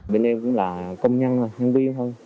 bên em cũng là công nhân nhân viên thôi